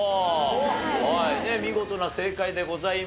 見事な正解でございました。